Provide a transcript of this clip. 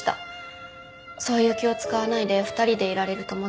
そういう気を使わないで２人でいられる友達。